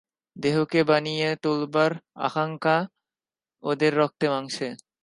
দেহকে বানিয়ে তোলবার আকাঙক্ষা ওদের রক্তে মাংসে।